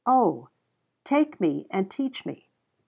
"Oh take me and teach me!"